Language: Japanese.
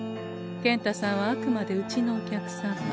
健太さんはあくまでうちのお客様。